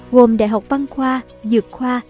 gồm đại học văn khoa dược khoa